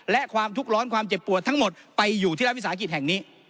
และความทุกข์ร้อนความเจ็บปวดทั้งหมดไปอยู่ที่รัฐวิสาหกิจแห่งนี้